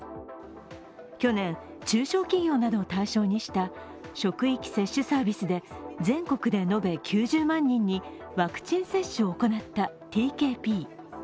去年、中小企業などを対象にした職域接種サービスで全国で延べ９０万人にワクチン接種を行ったＴＫＰ。